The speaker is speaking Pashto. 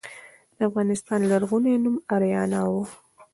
د افغانستان لرغونی نوم اریانا و